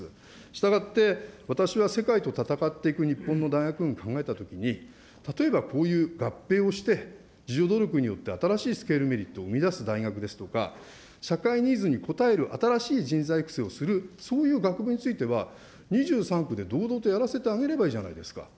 したがって、私は世界と戦っていく日本の大学を考えたときに、例えばこういう合併をして、自助努力によって新しいスケールメリットを生み出す大学ですとか、社会ニーズに応える新しい人材育成をする、そういう学部については、２３区で堂々とやらせてあげればいいじゃないですか。